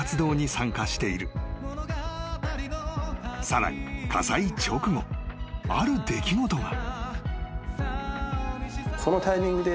［さらに火災直後ある出来事が］